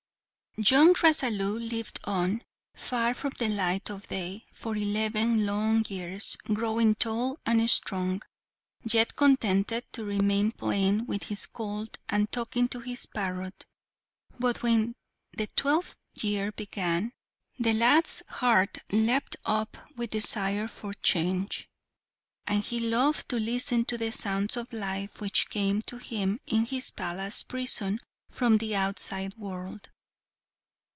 Young Rasalu lived on, far from the light of day, for eleven long years, growing tall and strong, yet contented to remain playing with his colt, and talking to his parrot; but when the twelfth year began, the lad's heart leapt up with desire for change, and he loved to listen to the sounds of life which came to him in his palace prison from the outside world.